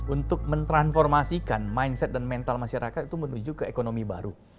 untuk mentransformasikan mindset dan mental masyarakat itu menuju ke ekonomi baru